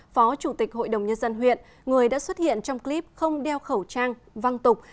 phó chủ tịch hội đồng nhân dân huyện người đã xuất hiện trong clip không đeo khẩu trang văng tục